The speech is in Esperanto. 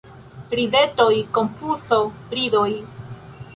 Ridetoj, konfuzo, ridoj.